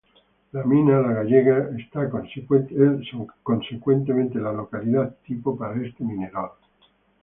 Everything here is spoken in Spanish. La mina La Gallega es consecuentemente la localidad tipo para este mineral.